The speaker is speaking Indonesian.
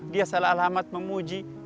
dia salah alamat memuji